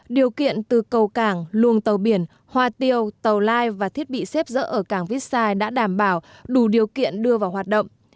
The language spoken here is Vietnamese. điều kiện từ cầu cảng luồng tàu biển hoa tiêu tàu lai và thiết bị xếp dỡ ở cảng vitsai đã đảm bảo đủ điều kiện đưa vào hoạt động